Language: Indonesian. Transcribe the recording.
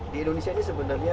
di indonesia ini sebenarnya